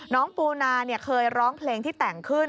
น้องปูนาเนี่ยเคยร้องเพลงที่แต่งขึ้น